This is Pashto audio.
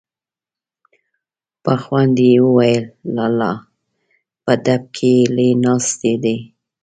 په خوند يې وويل: لالا! په ډب کې هيلۍ ناستې دي.